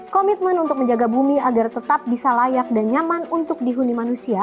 komitmen untuk menjaga bumi agar tetap bisa layak dan nyaman untuk dihuni manusia